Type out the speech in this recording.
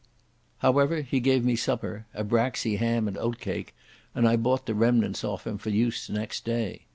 However, he gave me supper—a braxy ham and oatcake, and I bought the remnants off him for use next day.